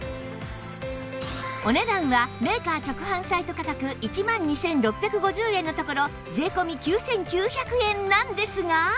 お値段はメーカー直販サイト価格１万２６５０円のところ税込９９００円なんですが！